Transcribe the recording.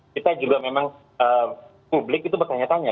kita juga memang publik itu bertanya tanya